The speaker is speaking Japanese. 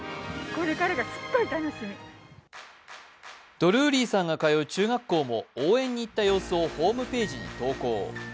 ドルーリーさんが通う中学校も応援に行った様子をホームページに投稿。